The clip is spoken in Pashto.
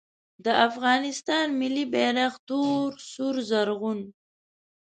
د افغانستان ملي بیرغ تور سور زرغون